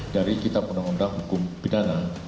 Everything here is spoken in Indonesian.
dari kitab undang undang hukum pidana